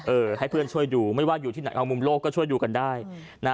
เออให้เพื่อนช่วยดูไม่ว่าอยู่ที่ไหนเอามุมโลกก็ช่วยดูกันได้นะ